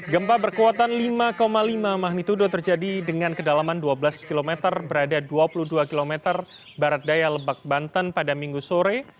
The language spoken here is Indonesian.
gempa berkekuatan lima lima magnitudo terjadi dengan kedalaman dua belas km berada dua puluh dua km barat daya lebak banten pada minggu sore